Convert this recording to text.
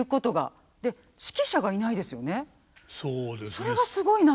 それがすごいなと思って。